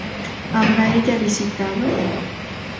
¿Habrá ella visitado?